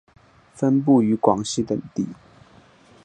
分布于广西等地。